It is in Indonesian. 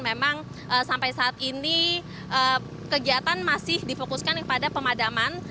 memang sampai saat ini kegiatan masih difokuskan kepada pemadaman